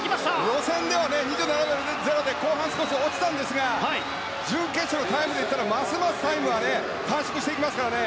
予選では２７秒０で後半、少し落ちたんですが準決勝のタイムでいったらますますタイムは短縮していきますからね。